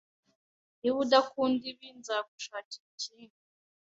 Niba udakunda ibi, nzagushakira ikindi.